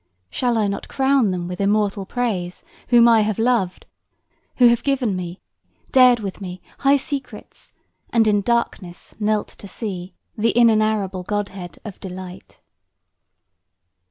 Shall I not crown them with immortal praise Whom I have loved, who have given me, dared with me High secrets, and in darkness knelt to see The inenarrable godhead of delight?